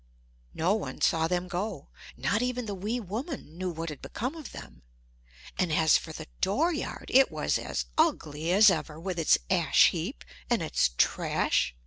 No one saw them go, not even the wee woman knew what had become of them; and as for the dooryard, it was as ugly as ever with its ash heap and its trash.